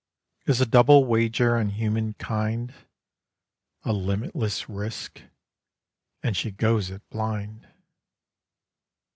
Is a double wager on human kind, A limitless risk and she goes it blind.